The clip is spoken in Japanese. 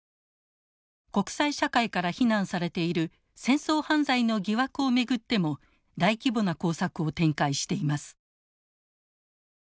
国際社会から非難されている戦争犯罪の疑惑を巡っても大規模な工作を展開しています。